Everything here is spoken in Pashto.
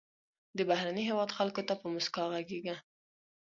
د بهرني هېواد خلکو ته په موسکا غږیږه.